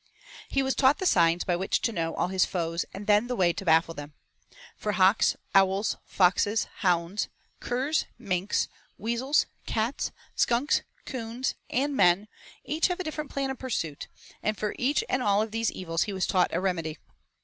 He was taught the signs by which to know all his foes and then the way to baffle them. For hawks, owls, foxes, hounds, curs, minks, weasels, cats, skunks, coons, and men, each have a different plan of pursuit, and for each and all of these evils he was taught a remedy.